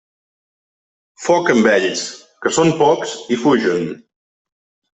Foc amb ells, que són pocs i fugen.